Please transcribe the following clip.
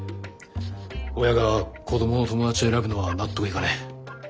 親が子どもの友達を選ぶのは納得いかねえ。